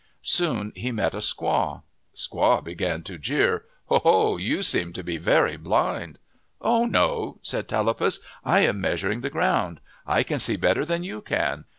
Soon he met a squaw. Squaw began to jeer : "Oh, ho, you seem to be very blind." " Oh, no," said Tallapus, " I am measuring the ground. I can see better than you can.